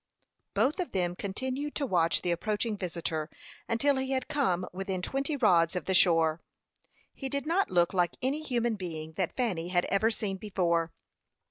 Both of them continued to watch the approaching visitor, until he had come within twenty rods of the shore. He did not look like any human being that Fanny had ever seen before.